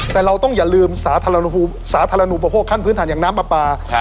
แต่เราต้องอย่าลืมสาธารณูปโภคขั้นพื้นฐานอย่างน้ำปลาปลา